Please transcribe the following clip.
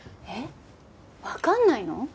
えっ？わかんないの？